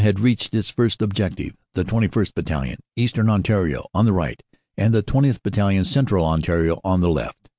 had reached its first objective, the 21st. Battalion, Eastern Ontario, on the right, and the 20th. Battalion, Central Ontario, on the left.